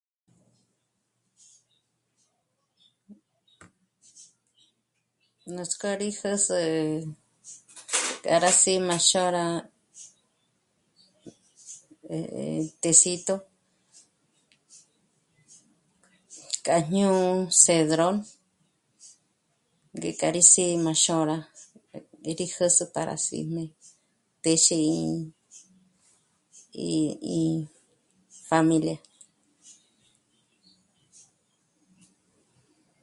Nuts'k'ó rí jä̌s'ü k'a rá sí'i má xôra, eh, eh técito, k'a jñū́'ū cedrón ngék'a rí sí'i má xôra e rí jä̌s'ü para síjme téxe í, 'í, 'í pjámilia